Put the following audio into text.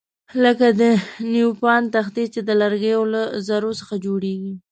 لکه د نیوپان تختې چې د لرګیو له ذرو څخه جوړیږي.